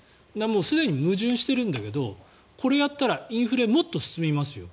すでに矛盾しているんだけどこれをやったらインフレ、もっと進みますよ。